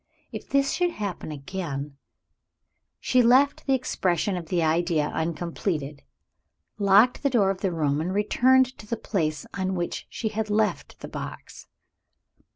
If this should happen again " She left the expression of the idea uncompleted; locked the door of the room; and returned to the place on which she had left the box.